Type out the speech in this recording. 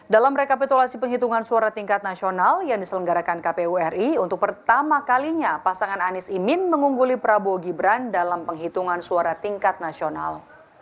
dalam rekapitulasi penghitungan suara tingkat nasional yang diselenggarakan kpu ri untuk pertama kalinya pasangan anies imin mengungguli prabowo gibran dalam penghitungan suara tingkat nasional